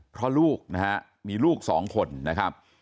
เพราะลูกนะฮะมีลูกสองคนนะครับ